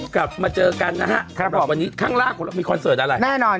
กลับมาเจอกันนะฮะครับผมวันนี้ข้างล่างมีคอนเสิร์ตอะไรแน่นอน